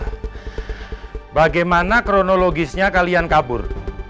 pak riki bagaimana kronologisnya kalian kabur